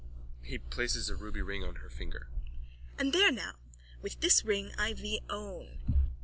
(He places a ruby ring on her finger.) And there now! With this ring I thee own.